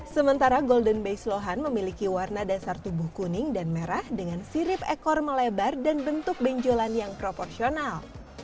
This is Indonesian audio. sementara golden base lohan memiliki warna dasar tubuh kuning dan merah dengan sirip ekor melebar dan bentuk benjolan yang proporsional